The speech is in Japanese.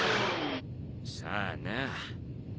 さあな。